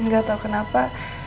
gak tau kenapa